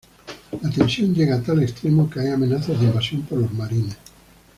La tensión llega a tal extremo que hay amenazas de invasión por los marines.